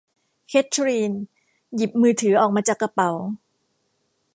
เคทลีนหยิบมือถือออกมาจากกระเป๋า